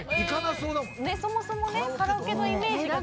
そもそもカラオケのイメージがちょっと。